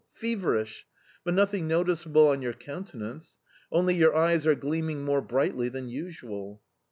Feverish!... But nothing noticeable on your countenance... only your eyes are gleaming more brightly than usual."